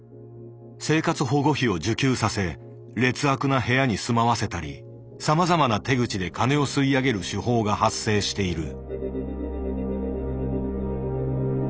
生活保護費を受給させ劣悪な部屋に住まわせたりさまざまな手口で金を吸い上げる手法が発生している。